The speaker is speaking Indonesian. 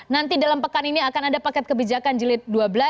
nanti dalam pekan ini akan ada paket kebijakan jilid dua belas